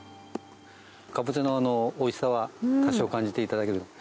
カボチャのおいしさは多少感じていただける。